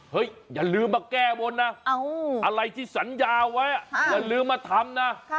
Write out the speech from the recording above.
อย่าลืมมาแก้บนนะอะไรที่สัญญาไว้อย่าลืมมาทำนะ